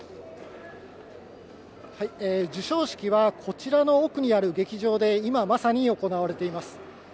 授賞式はこちらの奥にある劇場で今まさに行われています。